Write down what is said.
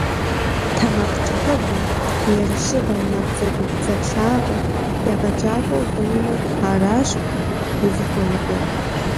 ТэмакъкӀыхьыгъэ, ерыщыгъэ, набдзэгубдзаплъагъэ – егъэджакӏуэ ухъунумэ, аращ узыхуэныкъуэр.